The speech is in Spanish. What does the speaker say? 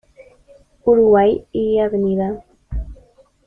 Uruguay y Av.